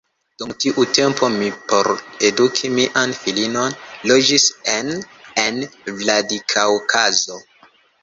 Dum tiu tempo mi por eduki mian filinon loĝis en en Vladikaŭkazo.